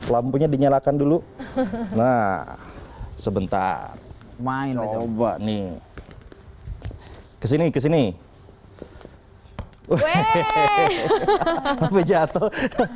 lampunya dinyalakan dulu nah sebentar main obat nih hai kesini kesini weh hehehe jatuh